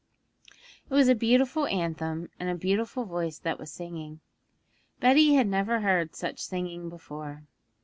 It was a beautiful anthem, and a beautiful voice that was singing. Betty had never heard such singing before.